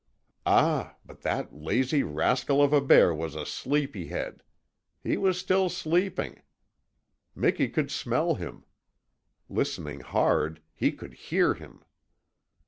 Ah! but that lazy rascal of a bear was a sleepy head! He was still sleeping. Miki could smell him. Listening hard, he could HEAR him.